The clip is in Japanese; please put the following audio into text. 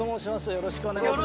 よろしくお願いします